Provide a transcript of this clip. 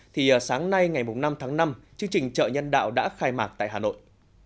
thì sáng nay ngày năm tháng năm chương trình chợ nhân đạo đã khai mạc tại hà nội